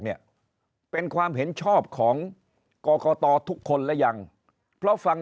เนี่ยเป็นความเห็นชอบของกรกตทุกคนหรือยังเพราะฟัง